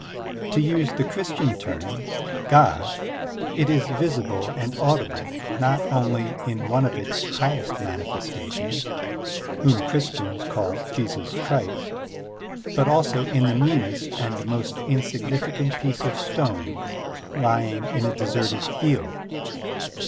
To use the Christian term, God, it* is visible and audible not only in one of its highest mani festations, whom Christians call Jesus Christ, but also in the meanest and most insignificant piece of stone lying in a deserted field.